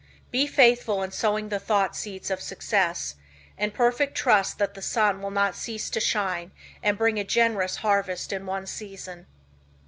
"Be faithful in sowing the thought seeds of success, in perfect trust that the sun will not cease to shine and bring a generous harvest in one season."